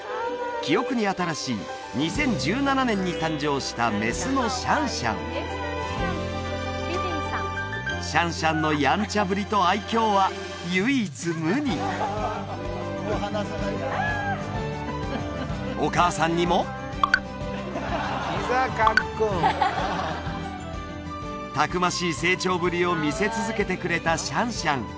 記憶に新しい２０１７年に誕生したメスのシャンシャンのやんちゃぶりと愛きょうは唯一無二お母さんにもたくましい成長ぶりを見せ続けてくれたシャンシャン